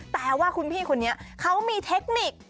แต่ว่าคุณพี่คนนี้เขามีเทคนิค